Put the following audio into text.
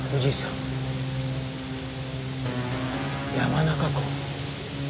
山中湖。